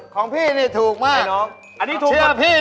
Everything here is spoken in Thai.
ของพี่นี่ถูกมากไอ้น้องเชื่อพี่ด้วย